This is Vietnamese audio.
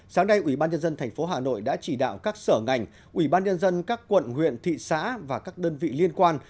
sáng nay ubnd tp hà nội đã chỉ đạo các sở ngành ubnd các quận huyện thị xã và các đơn vị liên quan